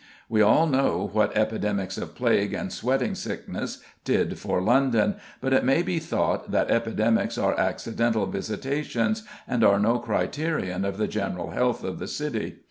We all know what epidemics of plague and sweating sickness did for London, but it may be thought that epidemics are accidental visitations, and are no criterion of the general health of the city.